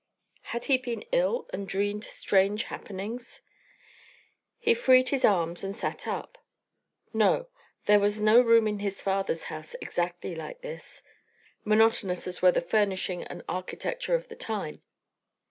Had he been ill and dreamed strange happenings? He freed his arms and sat up. No; there was no room in his father's house exactly like this, monotonous as were the furnishing and architecture of the time.